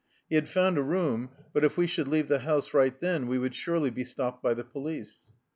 He had found a room, but if we should leave the house right then we would surely be stopped by the police.